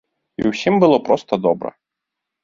І ўсім было проста добра.